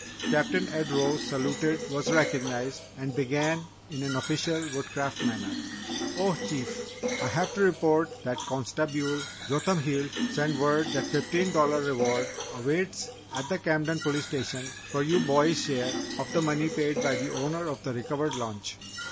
Captain Ed rose, saluted, was recognised, and began in an official Woodcraft manner: "Oh Chief! I have to report that Consta_bule_ Jotham Heald sent word that $15 reward awaits at the Camden Police Station for you boys' share of the money paid by the owner of the recovered launch."